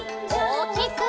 おおきく！